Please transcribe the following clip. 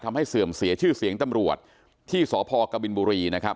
ทำให้เสื่อมเสียชื่อเสียงตำรวจที่สคบกบุรี